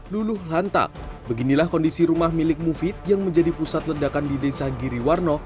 luluh lantak beginilah kondisi rumah milik mufid yang menjadi pusat ledakan di desa giriwarno